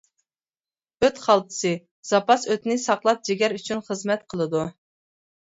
ئۆت خالتىسى: زاپاس ئۆتنى ساقلاپ جىگەر ئۈچۈن خىزمەت قىلىدۇ.